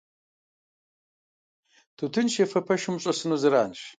Тутын щефэ пэшым ущӀэсыну зэранщ.